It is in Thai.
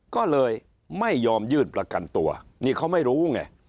ก็เลยไม่ยอมยื่นประกันตัวนี่เขาไม่รู้ไง